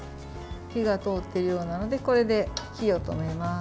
火が通っているようなのでこれで火を止めます。